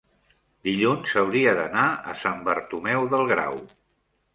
dilluns hauria d'anar a Sant Bartomeu del Grau.